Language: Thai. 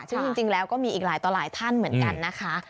ซึ่งจริงแล้วก็มีอีกหลายต่อหลายท่านเหมือนกันนะคะ